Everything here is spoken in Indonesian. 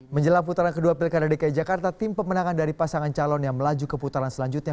menjelang putaran kedua pilkada dki jakarta tim pemenangan dari pasangan calon yang melaju ke putaran selanjutnya